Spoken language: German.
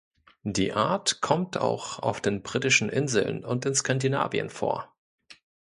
Die Art kommt auch auf den Britischen Inseln und in Skandinavien vor.